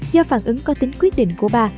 do phản ứng có tính quyết định của bà